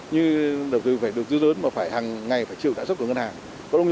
như đầu tư phải đầu tư lớn mà phải hàng ngày phải chịu tài xuất của ngân hàng